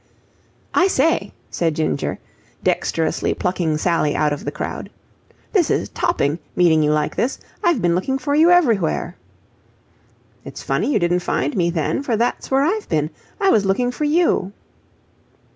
"I say," said Ginger, dexterously plucking Sally out of the crowd, "this is topping, meeting you like this. I've been looking for you everywhere." "It's funny you didn't find me, then, for that's where I've been. I was looking for you."